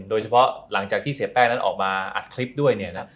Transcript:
หลังจากที่เสียแป้งนั้นออกมาอัดคลิปด้วยเนี่ยนะ